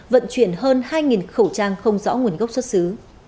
vận chuyển hơn hai khẩu trang không rõ nguồn gốc xuất xứ